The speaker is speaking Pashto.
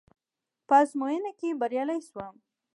په ازموينه کې بريالی شوم.